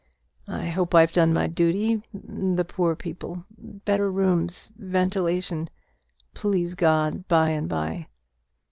I hope I've done my duty the poor people better rooms ventilation please God, by and by.